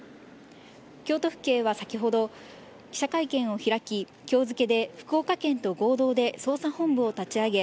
京都府警は先ほど記者会見を開き今日付で福岡県と合同で捜査本部を立ち上げ